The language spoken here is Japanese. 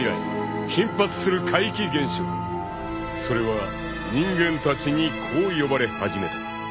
［それは人間たちにこう呼ばれ始めた］